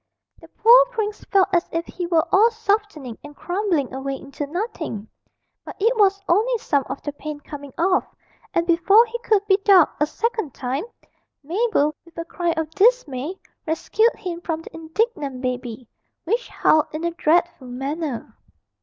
The poor prince felt as if he were all softening and crumbling away into nothing, but it was only some of the paint coming off; and before he could be ducked a second time, Mabel, with a cry of dismay, rescued him from the indignant baby, which howled in a dreadful manner.